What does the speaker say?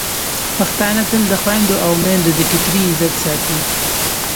پښتانه تل د خویندو او میندو د ټکري عزت ساتي.